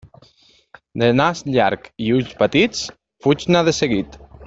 De nas llarg i ulls petits, fuig-ne de seguit.